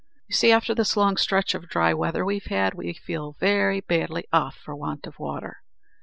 You see, after this long stretch of dry weather we've had, we feel very badly off for want of water.